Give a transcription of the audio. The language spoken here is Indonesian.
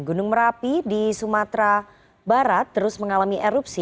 gunung merapi di sumatera barat terus mengalami erupsi